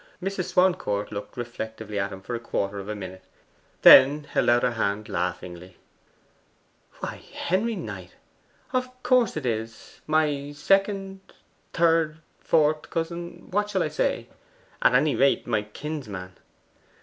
Mrs. Swancourt looked reflectively at him for a quarter of a minute, then held out her hand laughingly: 'Why, Henry Knight of course it is! My second third fourth cousin what shall I say? At any rate, my kinsman.